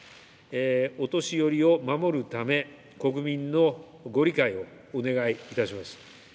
お年寄りを守るため、国民のご理解をお願いいたします。